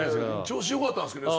調子よかったんですけど。